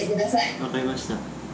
分かりました。